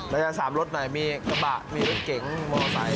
แล้วจะสามรสหน่อยมีกระบะมีรสเก๋งมอเตอร์ไซค์